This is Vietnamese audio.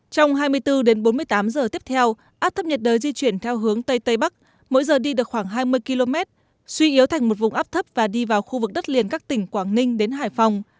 trong hai mươi bốn bốn mươi tám h tiếp theo áp thấp nhiệt đới di chuyển theo hướng tây tây bắc mỗi giờ đi được khoảng hai mươi km suy yếu thành một vùng áp thấp và đi vào khoảng hai mươi km